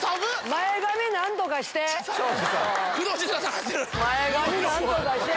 前髪何とかしてる？